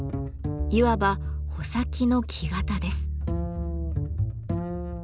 いわば穂先の「木型」です。